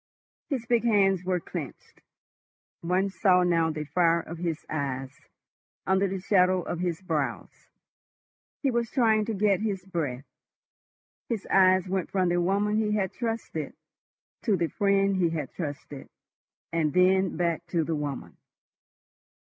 His big hands were clenched; one saw now the fire of his eyes under the shadow of his brows. He was trying to get his breath. His eyes went from the woman he had trusted to the friend he had trusted, and then back to the woman.